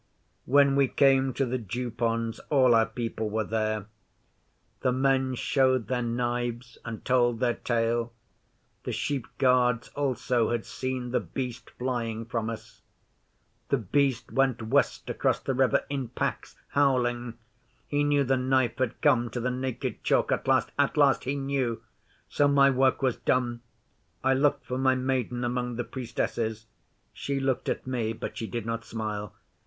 'When we came to the Dew ponds all our people were there. The men showed their knives and told their tale. The sheep guards also had seen The Beast flying from us. The Beast went west across the river in packs howling! He knew the Knife had come to the Naked Chalk at last at last! He knew! So my work was done. I looked for my Maiden among the Priestesses. She looked at me, but she did not smile.